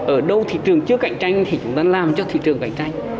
ở đâu thị trường chưa cạnh tranh thì chúng ta làm cho thị trường cạnh tranh